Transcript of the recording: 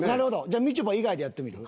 じゃあみちょぱ以外でやってみる？